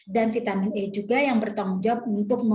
lalu di sana kita dapatespon vitamin e